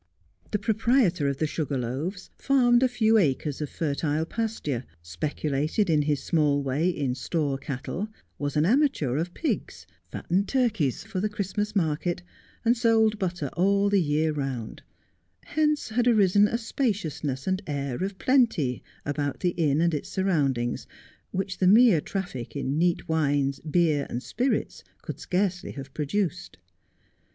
The proprietor of the ' Sugar Loaves ' farmed a few acres of fertile pasture, speculated in his small way in store cattle, was an amateur of pigs, fattened turkeys for the Christmas market, and sold butter all the year round ; hence had arisen a spaciousness and air of plenty about the inn and its surroundings which the mere traffic in neat wines, beer, and spirits could scarcely have produced.